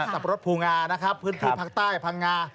สับปะรดภูงานะครับพื้นที่ภาคใต้พังงา